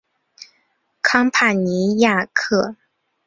康帕尼亚克。